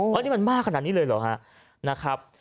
ว่ามันมากขนาดนี้เลยหรอครับ